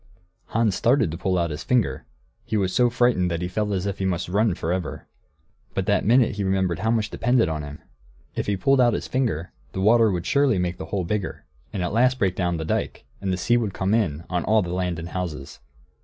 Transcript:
Hans started to pull out his finger; he was so frightened that he felt as if he must run for ever. But that minute he remembered how much depended on him; if he pulled out his finger, the water would surely make the hole bigger, and at last break down the dike, and the sea would come in on all the land and houses.